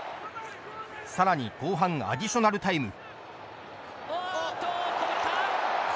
さらに後半アディショナルタイム。